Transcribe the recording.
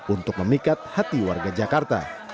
untuk memikat hati warga jakarta